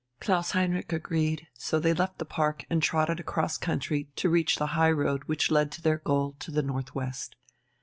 Klaus Heinrich agreed, so they left the park and trotted across country to reach the high road which led to their goal to the north west.